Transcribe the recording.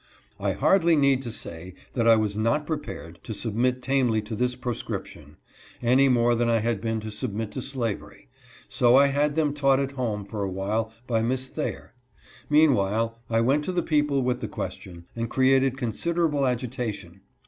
I hardly need say that I was not prepared to submit tamely to this proscription, any more than I had been to submit to slavery, so I had them taught at home for a while by Miss Thayer. Meanwdiile I went to the people with the question, and created considerable agitation.